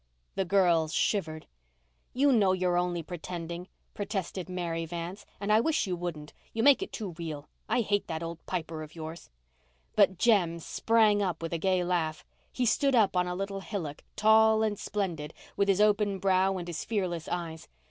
The girls shivered. "You know you're only pretending," protested Mary Vance, "and I wish you wouldn't. You make it too real. I hate that old Piper of yours." But Jem sprang up with a gay laugh. He stood up on a little hillock, tall and splendid, with his open brow and his fearless eyes.